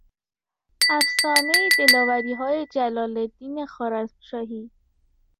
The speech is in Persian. افسانهی دلاوریهای جلالالدین خوارزمشاهی